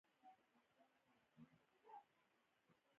ډاکتر حسن حنفي پر وینا ظریف نقد وکړ.